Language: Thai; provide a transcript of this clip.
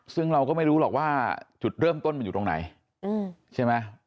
ซึ่งเราก็ไม่รู้หรอกว่าจุดเริ่มต้นมันอยู่ตรงไหนใช่ไหม